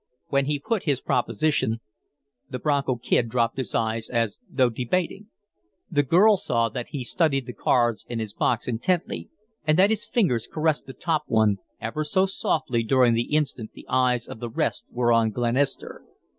When he put his proposition, the Bronco Kid dropped his eyes as though debating. The girl saw that he studied the cards in his box intently and that his fingers caressed the top one ever so softly during the instant the eyes of the rest were on Glenister.